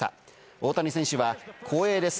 大谷選手は光栄です。